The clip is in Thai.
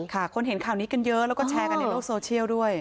คนเห็นข่าวนี้กันเยอะแล้วก็แชร์กันในโลกโซเชียลด้วย